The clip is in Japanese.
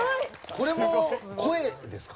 これも声ですか？